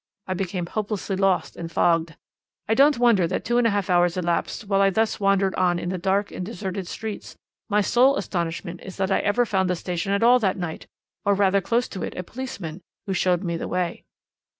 I became hopelessly lost and fogged. I don't wonder that two and a half hours elapsed while I thus wandered on in the dark and deserted streets; my sole astonishment is that I ever found the station at all that night, or rather close to it a policeman, who showed me the way.'